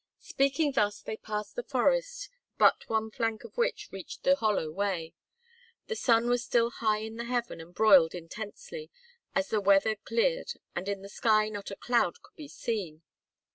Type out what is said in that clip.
Speaking thus they passed the forest, but one flank of which reached the hollow way. The sun was still high in the heaven and broiled intensely, as the weather cleared and in the sky not a cloud could be seen.